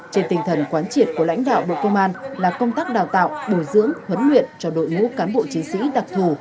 trên tinh thần quán triệt của lãnh đạo bộ công an là công tác đào tạo bồi dưỡng huấn luyện cho đội ngũ cán bộ chiến sĩ đặc thù